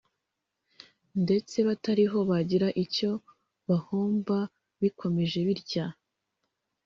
ndetse batariho bagira icyo bahomba bikomeje bitya